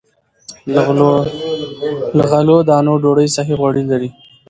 له غلو- دانو ډوډۍ صحي غوړي لري.